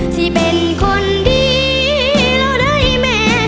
สิเป็นคนดีแล้วได้แม่